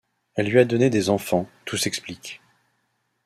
Elle lui a donné des enfants: tout s’explique.